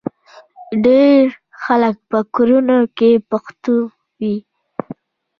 ډېری خلک په کړنو کې بوخت وي.